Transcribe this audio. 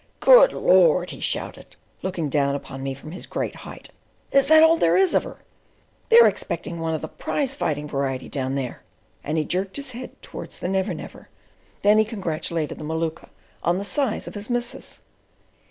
"Good Lord!" he shouted, looking down upon me from his great height, "is that all there is of her? They're expecting one of the prize fighting variety down there," and he jerked his head towards the Never Never. Then he congratulated the Maluka on the size of his missus.